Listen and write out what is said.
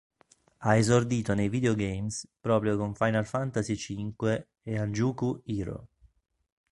Ha esordito nei videogames proprio con "Final Fantasy V" e "Han-juku Hero".